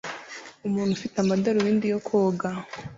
Umuntu ufite amadarubindi yo koga